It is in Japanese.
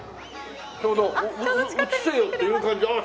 ちょうど映せよっていう感じでああ